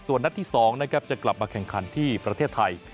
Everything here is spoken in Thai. ส่วนนัดที่๒นะครับจะกลับมาแข่งขันที่ประเทศไทย